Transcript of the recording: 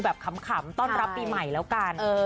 ขำต้อนรับปีใหม่แล้วกัน